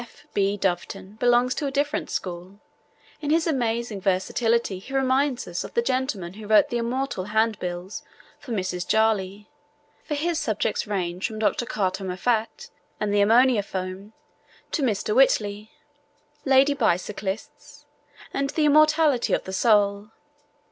F. B. Doveton belongs to a different school. In his amazing versatility he reminds us of the gentleman who wrote the immortal handbills for Mrs. Jarley, for his subjects range from Dr. Carter Moffatt and the Ammoniaphone to Mr. Whiteley, Lady Bicyclists, and the Immortality of the Soul.